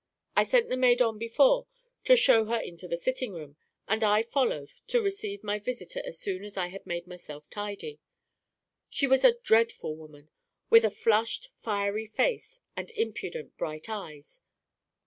I sent the maid on before to show her into the sitting room, and I followed to receive my visitor as soon as I had made myself tidy. She was a dreadful woman, with a flushed, fiery face and impudent, bright eyes.